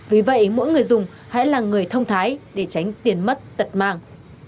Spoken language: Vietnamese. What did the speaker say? vì vậy mỗi người dùng hãy là người thông thái để tránh tiền mất tật mang